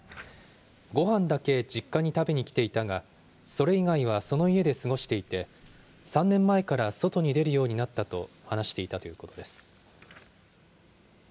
ごはんだけ実家に食べに来ていたが、それ以外はその家で過ごしていて、３年前から外に出るようになったと話していたということです。